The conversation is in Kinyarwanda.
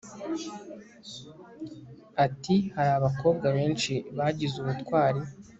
ati hari abakobwa benshi bagize ubutwari